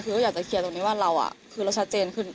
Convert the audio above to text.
คือก็อยากจะเคลียร์ตรงนี้ว่าเราคือเราชัดเจนขึ้น